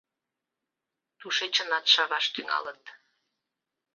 — Тушечынат шаваш тӱҥалыт.